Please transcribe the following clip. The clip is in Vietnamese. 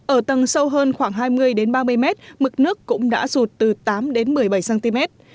ở tầng sâu hơn khoảng hai mươi ba mươi mét mực nước cũng đã rụt từ tám đến một mươi bảy cm